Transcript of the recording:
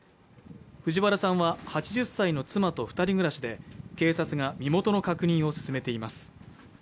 藤原さんは８０歳の妻と２人暮らしで、警察が身元の確認を進めています。